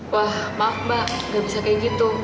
wah maaf mbak nggak bisa kayak gitu